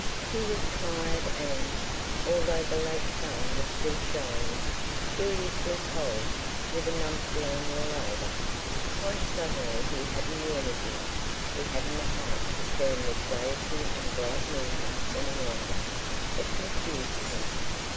He was tired and, although the late sun was still shining, curiously cold, with a numbed feeling all over. Quite suddenly he hadn't the energy, he hadn't the heart to stand this gaiety and bright movement any longer; it confused him.